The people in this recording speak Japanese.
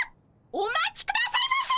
お待ちくださいませ！